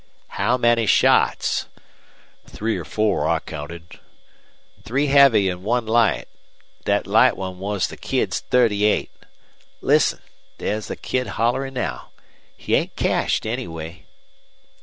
"How many shots?" "Three or four, I counted." "Three heavy an' one light. Thet light one was the Kid's.38. Listen! There's the Kid hollerin' now. He ain't cashed, anyway."